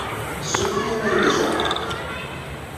Suref-iyi ma yella jerḥeƔ-k.